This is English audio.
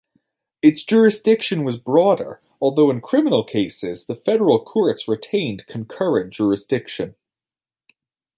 Its jurisdiction was broader, although in criminal cases the federal courts retained concurrent jurisdiction.